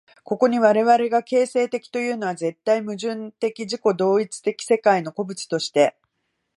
ここに我々が形成的というのは、絶対矛盾的自己同一的世界の個物として、